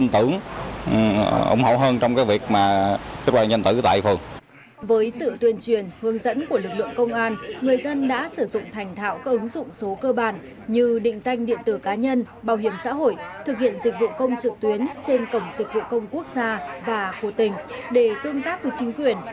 với sự tuyên truyền hướng dẫn của lực lượng công an người dân đã sử dụng thành thạo các ứng dụng số cơ bản như định danh điện tử cá nhân bảo hiểm xã hội thực hiện dịch vụ công trực tuyến trên cổng dịch vụ công quốc gia và của tỉnh để tương tác với chính quyền